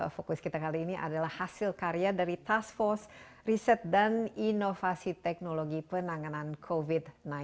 fokus kita kali ini adalah hasil karya dari task force riset dan inovasi teknologi penanganan covid sembilan belas